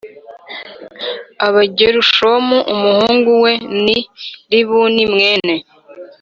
Aba Gerushomu umuhungu we ni Libuni mwene